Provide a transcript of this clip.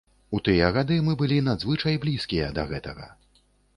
У тыя гады мы былі надзвычай блізкія да гэтага.